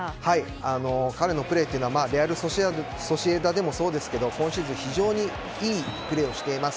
彼のプレーはレアル・ソシエダでもそうですけど今シーズン、非常にいいプレーをしています。